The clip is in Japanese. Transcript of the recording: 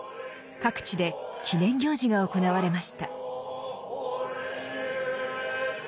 各地で記念行事が行われました。